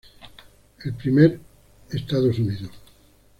El primer Estados Unidos.